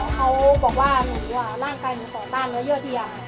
เขาบอกว่าหนูร่างกายนูขอตาเรื่องเนื้อเยื่อเทียม